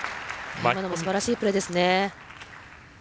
今のもすばらしいプレーですね。